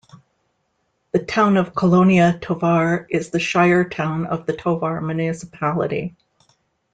The town of Colonia Tovar is the shire town of the Tovar Municipality.